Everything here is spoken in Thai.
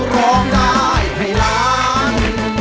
ร้องได้ให้ล้าน